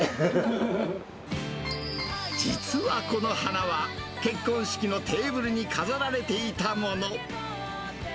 実はこの花は、結婚式のテーブルに飾られていたもの。